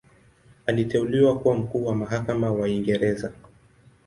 Aliteuliwa kuwa Mkuu wa Mahakama wa Uingereza.